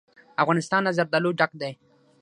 افغانستان له زردالو ډک دی.